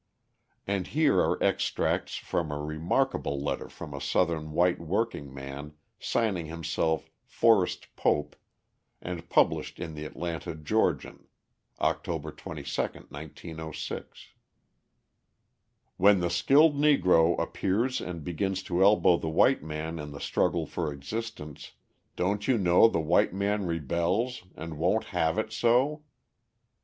And here are extracts from a remarkable letter from a Southern white working man signing himself Forrest Pope and published in the Atlanta Georgian, October 22, 1906: When the skilled negro appears and begins to elbow the white man in the struggle for existence, don't you know the white man rebels and won't have it so?